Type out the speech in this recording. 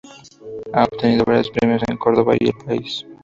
Ha obtenido varios premios en Córdoba y el país.